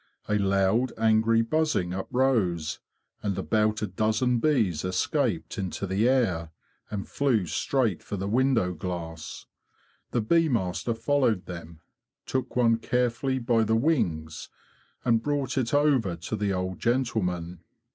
A loud angry buzzing uprose, and about a dozen bees escaped into the air, and flew straight for the window glass. The bee master followed them, took one carefully by the wings, and brought it over to the old gentleman.